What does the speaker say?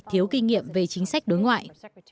thiếu kinh nghiệm về chính sách đối ngoại